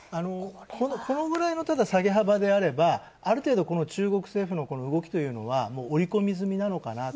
このぐらいの下げ幅であればある程度、中国政府の動きというのは織り込み済みなのかなと。